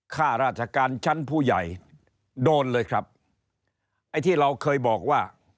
ข้าราชการชั้นผู้ใหญ่โดนเลยครับไอ้ที่เราเคยบอกว่า